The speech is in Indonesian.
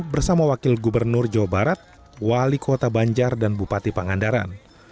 bersama wakil gubernur jawa barat wali kota banjar dan bupati pangandaran